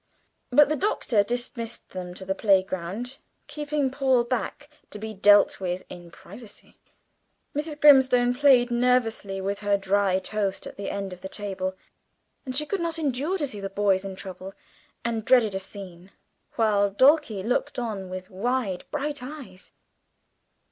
But the Doctor dismissed them to the playground, keeping Paul back to be dealt with in privacy. Mrs. Grimstone played nervously with her dry toast at the end of the table, for she could not endure to see the boys in trouble and dreaded a scene, while Dulcie looked on with wide bright eyes.